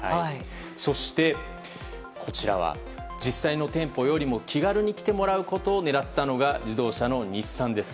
そして、こちらは実際の店舗より気軽に来てもらうことを狙ったのが、自動車の日産です。